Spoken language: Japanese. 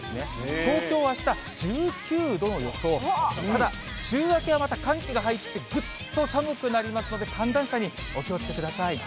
東京はあした１９度の予想、ただ週明けはまた寒気が入って、ぐっと寒くなりますので、寒暖差にお気をつけください。